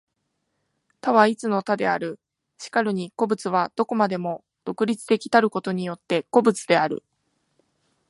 多は一の多である。然るに個物は何処までも独立的たることによって個物である。